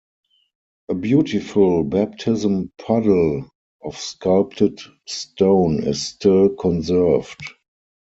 A beautiful baptism puddle of sculpted stone is still conserved.